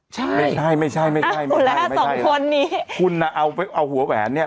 ใช่ไม่ใช่ไม่ใช่หมดแล้วแค่สองคนนี้คุณน่ะเอาไปเอาหัวแหวนเนี้ย